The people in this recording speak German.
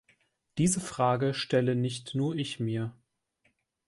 Diese Fragen stelle nicht nur ich mir.